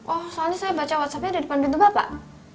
oh soalnya saya baca whatsappnya di depan pintu bapak